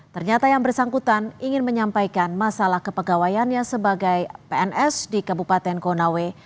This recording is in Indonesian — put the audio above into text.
ternyata yang bersangkutan ingin menyampaikan masalah kepegawaiannya sebagai pns di kabupaten konawe